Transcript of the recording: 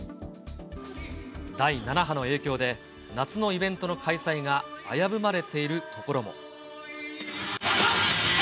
第７波の影響で、夏のイベントの開催が危ぶまれている所も。